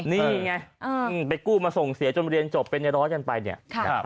นี่ไงไปกู้มาส่งเสียจนเรียนจบเป็นในร้อยกันไปเนี่ยนะครับ